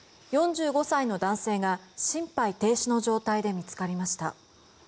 ４５歳の男性が心肺停止の状態で見つかりました。